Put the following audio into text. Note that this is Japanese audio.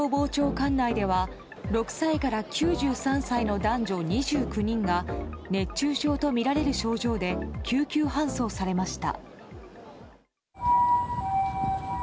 管内では６歳から９３歳の男女２９人が熱中症とみられる症状で救急搬送されました。